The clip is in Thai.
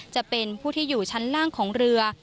จะเป็นผู้ที่อยู่ชั้นล่างของเรือ